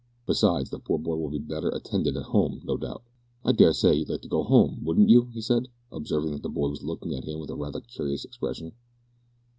Besides, the poor boy will be better attended to at 'ome, no doubt. I dare say you'd like to go 'ome, wouldn't you?" he said, observing that the boy was looking at him with a rather curious expression.